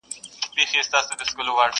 بوډا سوم لا تر اوسه په سِر نه یم پوهېدلی!!